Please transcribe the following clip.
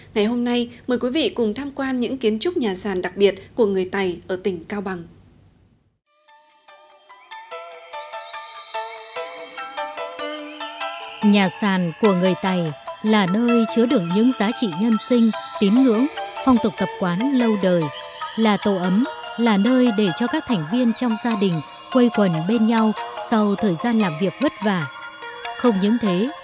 ngày hôm nay mời quý vị cùng tham quan những kiến trúc nhà sàn đặc biệt của người tày ở tỉnh cao bằng